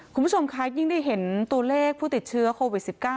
คุณผู้ชมค่ะยิ่งได้เห็นตัวเลขผู้ติดเชื้อโควิด๑๙